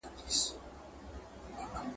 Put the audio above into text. په جوپو جوپو به دام ته نه ورتللې ..